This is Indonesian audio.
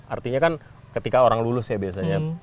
artinya kan ketika orang lulus ya biasanya